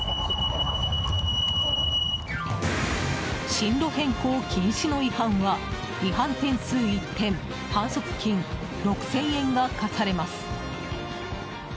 進路変更禁止の違反は違反点数１点反則金６０００円が科されます。